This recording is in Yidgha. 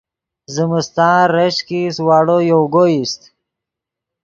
زمستان ریشک ایست واڑو یوگو ایست